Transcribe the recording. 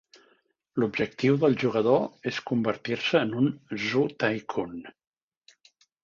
L'objectiu del jugador és convertir-se en un "Zoo Tycoon".